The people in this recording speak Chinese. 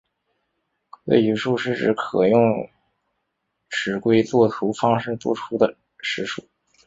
规矩数是指可用尺规作图方式作出的实数。